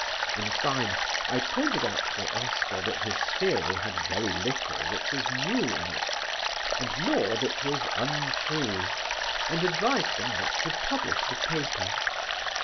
In fine, I pointed out to Oscar that his theory had very little that was new in it, and more that was untrue, and advised him not to publish the paper.